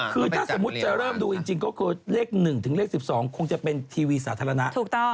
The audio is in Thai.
คือถ้าสมมุติจะเริ่มดูก็คือเลขหนึ่งถึงเลขสิบสองคงจะเป็นทีวีสาธารณะ